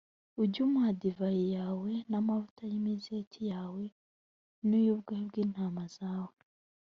ujye umuha divayi yawe, n’amavuta y’imizeti yawe n’ubwoya bw’intama zawe.